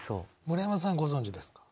村山さんご存じですか？